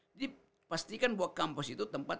jadi pastikan bahwa kampus itu tempat